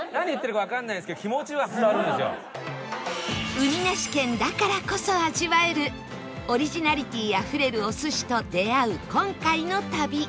海なし県だからこそ味わえるオリジナリティーあふれるお寿司と出会う今回の旅